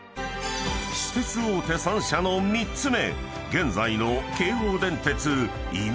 ［私鉄大手３社の３つ目］